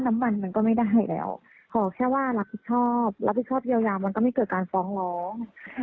น้ำมันมันก็ไม่ได้แล้วเพราะแค่ว่ารักผิดชอบรักผิดชอบเยาว์ยามมันก็ไม่เกิดการฟ้องร้อง